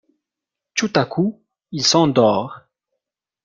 Tout à coup, il s'endort.